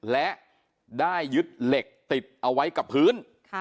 และได้ยึดเหล็กติดเอาไว้กับพื้น